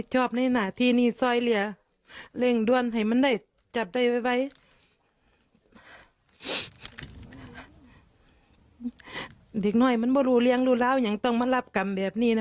เด็กหน่อยมันบรูเรียงรูราวยังต้องมารับกรรมแบบนี้นะ